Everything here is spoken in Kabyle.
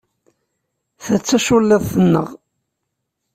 Ta d taculliḍt-nneɣ.